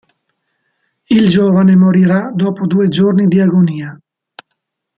Il giovane morirà dopo due giorni di agonia.